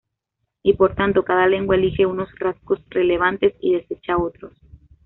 Y por tanto cada lengua elige unos rasgos relevantes y desecha otros.